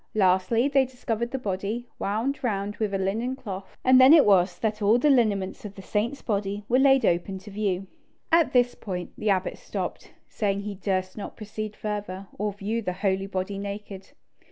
Lastly, they discovered the body, wound round with a linen cloth, and then it was that all the lineaments of the saint's body were laid open to view. At this point the abbot stopped, saying he durst not proceed further, or view the holy body naked.